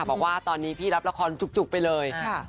บอกว่าตอนนี้พี่รับละครจุกไปเลย